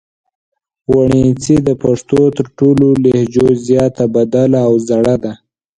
وڼېڅي د پښتو تر ټولو لهجو زیاته بدله او زړه ده